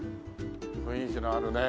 雰囲気のあるねえ。